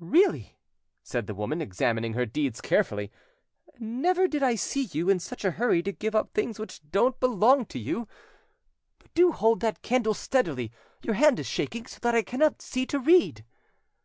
"Really," said the woman, examining her deeds carefully, "never yet did I see you in such a hurry to give up things which don't belong to you. But do hold that candle steadily; your hand is shaking so that I cannot see to read."